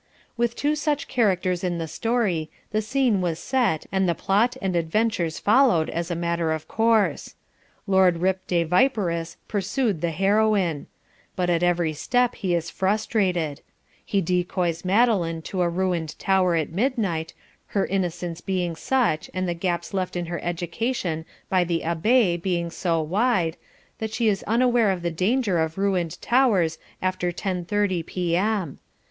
With two such characters in the story, the scene was set and the plot and adventures followed as a matter of course. Lord Rip de Viperous pursued the Heroine. But at every step he is frustrated. He decoys Madeline to a ruined tower at midnight, her innocence being such and the gaps left in her education by the Abbe being so wide, that she is unaware of the danger of ruined towers after ten thirty P.M.